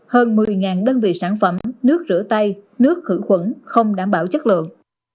hơn một mươi đơn vị sản phẩm nước rửa tay nước khử khuẩn không đảm bảo chất lượng